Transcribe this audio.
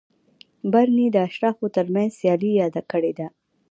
برني د اشرافو ترمنځ سیالي یاده کړې ده.